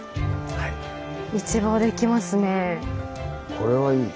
これはいい。